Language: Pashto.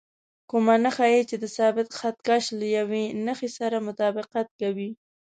کومه نښه یې چې د ثابت خط کش له یوې نښې سره مطابقت کوي.